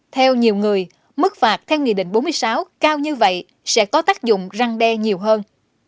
theo nhiều người mức phạt theo nghị định bốn mươi sáu cao như vậy sẽ có tác dụng răng đe nhiều hơn